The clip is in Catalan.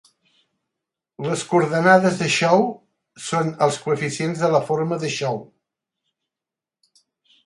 Les coordenades de Chow son els coeficients de la forma de Chow.